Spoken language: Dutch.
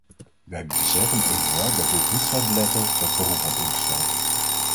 Wij beseffen evenwel dat dit niet zal beletten dat beroep wordt ingesteld.